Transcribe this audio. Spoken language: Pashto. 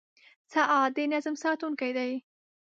• ساعت د نظم ساتونکی دی.